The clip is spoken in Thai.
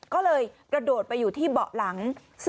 ก็เลยกระโดดไปอยู่ที่เบาะหลัง